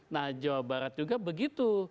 nah jawa barat juga begitu